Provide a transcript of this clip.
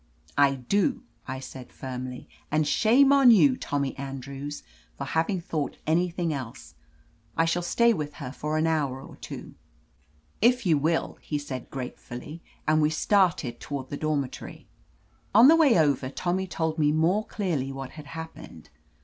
"I do," I said firmly. "And shame on you, Tommy Andrews, for having thought any thing else. I shall stay with her for an hour or two." 139 THE AMAZING ADVENTURES "If you will," he said gratefully, and we started toward the dormitory. On the way over. Tommy told me more clearly what had happened.